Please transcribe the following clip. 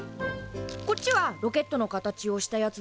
こっちはロケットの形をしたやつで。